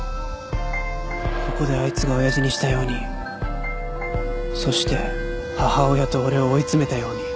ここであいつが親父にしたようにそして母親と俺を追い詰めたように。